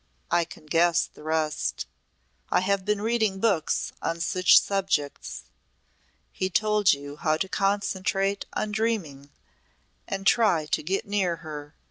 "I can guess the rest. I have been reading books on such subjects. He told you how to concentrate on dreaming and try to get near her.